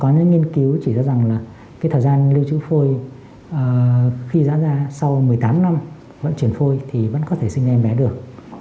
có những nghiên cứu chỉ ra rằng là cái thời gian lưu trữ phôi khi dã ra sau một mươi tám năm vẫn chuyển phôi thì vẫn có thể sinh em bé được